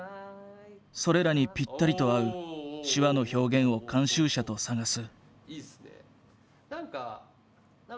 それらにピッタリと合う手話の表現を監修者と探す。